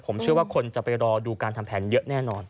ผมเชื่อว่าคนจะไปรอดูการทำแผนเยอะแน่นอน